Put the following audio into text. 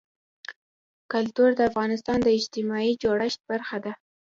کلتور د افغانستان د اجتماعي جوړښت برخه ده.